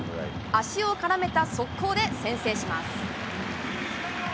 足を絡めた速攻で先制します。